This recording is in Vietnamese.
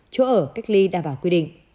chỗ ở cách ly đảm bảo quy định